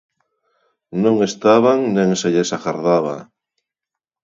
Non estaban nin se lles agardaba.